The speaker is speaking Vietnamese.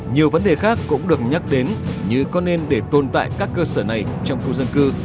nhiều vấn đề khác cũng được nhắc đến như có nên để tồn tại các cơ sở này trong khu dân cư